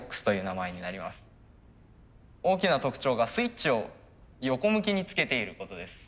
大きな特徴がスイッチを横向きにつけていることです。